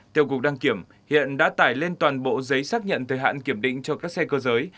theo cục đăng kiểm hiện đã tải lên toàn bộ giấy xác nhận thời hạn kiểm định cho các xe cơ giới